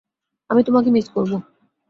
আমি তোমাকে মিস করব।